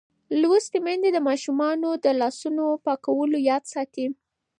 لوستې میندې د ماشومانو د لاسونو پاکولو یاد ساتي.